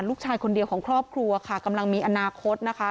ลูกชายคนเดียวของครอบครัวค่ะกำลังมีอนาคตนะคะ